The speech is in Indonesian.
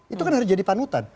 itu kan harus jadi panutan